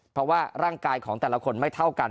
เพราะว่าร่างกายของแต่ละคนไม่เท่ากัน